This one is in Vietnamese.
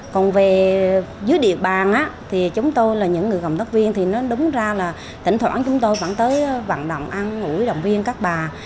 còn về dưới địa bàn thì chúng tôi là những người cộng tác viên thì nó đúng ra là thỉnh thoảng chúng tôi vẫn tới vận động ăn ngủi động viên các bà